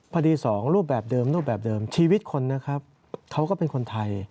พอดีสองรูปแบบเดิมรูปแบบเดิมชีวิตคนนะครับเขาก็เป็นคนไทย